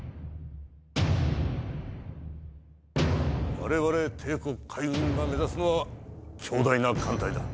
われわれ帝国海軍が目指すのは、強大な艦隊だ。